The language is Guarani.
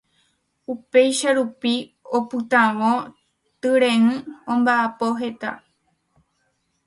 upéicha rupi opytávo tyre'ỹ omba'apo heta